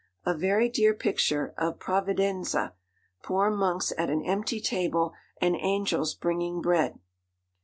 A very dear picture of "Providenza," poor monks at an empty table and angels bringing bread.